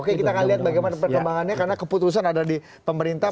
oke kita akan lihat bagaimana perkembangannya karena keputusan ada di pemerintah